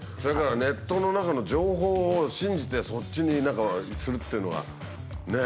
ネットの中の情報を信じてそっちにするっていうのはね。